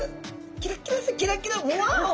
キラキラキラキラわお！